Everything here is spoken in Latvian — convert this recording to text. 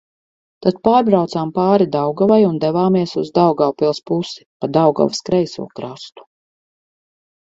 Tad pārbraucām pāri Daugavai un devāmies uz Daugavpils pusi pa Daugavas kreiso krastu.